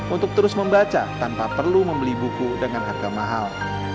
untuk terus membaca tanpa perlu membeli buku dengan harga mahal